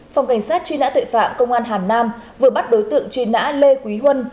phòng cảnh sát truy nã tội phạm công an hà nam vừa bắt đối tượng truy nã lê quý huân